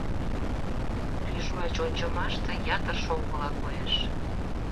Тӱжвач ончымаште, ятыр шоҥгыла коеш.